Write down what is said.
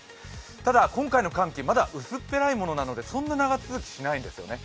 ただ今回の寒気、まだ薄っぺらいものなので、そんなに長続きしないんですね。